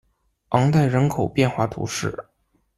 昂代人口变化图示